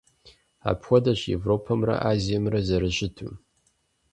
Апхуэдэщ Европэмрэ Азиемрэ зэрыщыту.